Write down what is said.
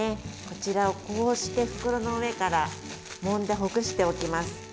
こちらをこうして袋の上からもんで、ほぐしておきます。